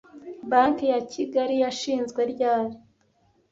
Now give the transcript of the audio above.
Banki ya kigali yashinzwe ryari